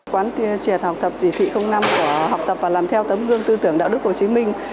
quán triệt học tập chỉ thị năm của học tập và làm theo tấm gương tư tưởng đạo đức hồ chí minh